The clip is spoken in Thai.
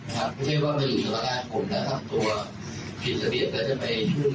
ไม่ใช่ว่ามันอยู่ในการกลุ่มแต่ถ้าผิดสะเบียบก็จะไปช่วยเหลือ